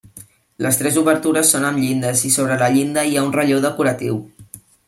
Les tres obertures són amb llindes i sobre la llinda hi ha un relleu decoratiu.